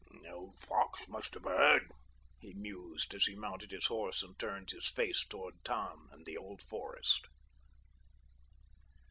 "The old fox must have heard," he mused as he mounted his horse and turned his face toward Tann and the Old Forest.